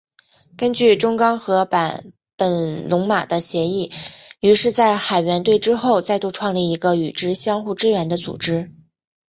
根据中冈和坂本龙马的协议于是在海援队之后再度创立一个与之相互支援的组织。